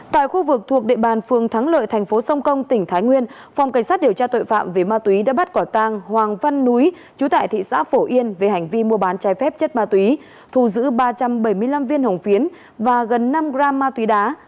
tại khu vực thuộc địa bàn phường thắng lợi thành phố sông công tỉnh thái nguyên phòng cảnh sát điều tra tội phạm về ma túy đã bắt quả tang hoàng văn núi chú tại thị xã phổ yên về hành vi mua bán trái phép chất ma túy thù giữ ba trăm bảy mươi năm viên hồng phiến và gần năm gram ma túy đá